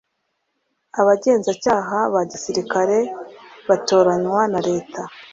Abagenzacyaha ba Gisirikare batoranywa na leta